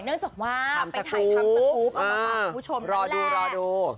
เนื่องจากว่าไปถ่ายคำสกูฟกับผู้ชมตั้งแรก